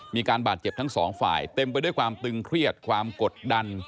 มีการบาดเจ็บทั้งสองฝ่ายเต็มไปด้วยความตึงเครียดความกดดัน